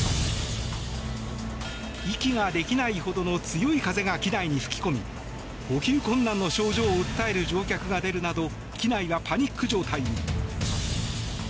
息ができないほどの強い風が機内に吹き込み呼吸困難の症状を訴える乗客が出るなど機内はパニック状態に。